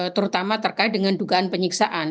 terutama terkait dengan dugaan penyiksaan